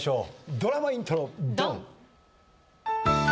ドラマイントロドン！